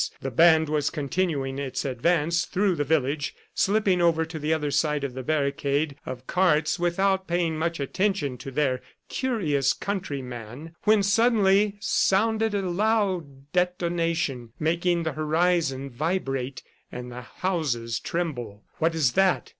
The band was continuing its advance through the village, slipping over to the other side of the barricade of carts without paying much attention to their curious countryman, when suddenly sounded a loud detonation, making the horizon vibrate and the houses tremble. "What is that?"